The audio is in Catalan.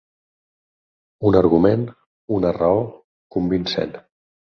Un argument, una raó, convincent.